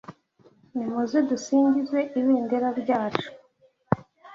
Nimuze dusingize Ibendera ryacu